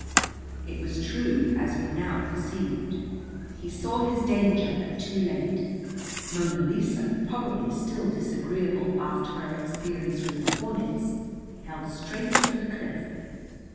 It was true, as we now perceived. He saw his danger, but too late. Mona Lisa, probably still disagreeable after her experience with the hornets, held straight for the cliff.